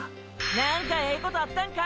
何かええことあったんか？